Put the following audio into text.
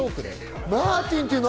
マーティンっていうの？